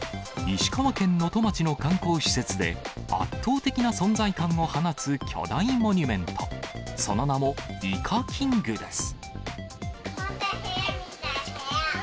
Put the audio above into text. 石川県能都町の観光施設で、圧倒的な存在感を放つ巨大モニュメント、その名も、イカキングです。